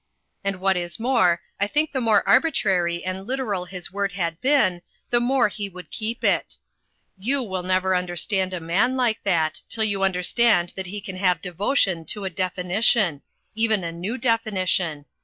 And what is more, I think the more arbitrary and literal his word had been, the more he would keep it. You will never understand a man like that, till you understand that he can have devotion to a definition ; even a new definition.